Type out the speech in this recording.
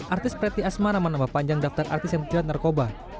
artis preti asmana menambah panjang daftar artis yang terjerat narkoba